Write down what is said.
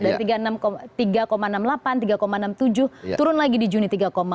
dari tiga enam puluh delapan tiga enam puluh tujuh turun lagi di juni tiga